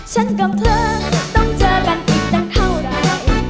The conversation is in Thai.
ฉันกับเธอต้องเจอกันอีกตั้งเท่าไหร่